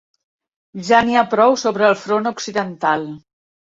Ja n'hi ha prou sobre el front occidental.